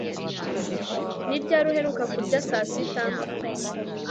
Ni ryari uheruka kurya saa sita